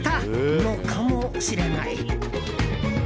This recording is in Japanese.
のかもしれない。